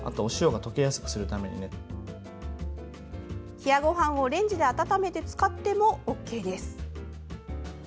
冷やごはんをレンジで温めて使ってもＯＫです。